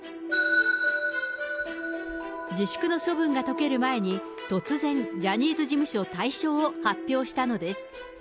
自粛の処分が解ける前に、突然、ジャニーズ事務所退所を発表したのです。